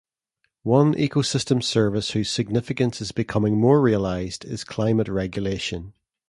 One ecosystem service whose significance is becoming more realized is climate regulation.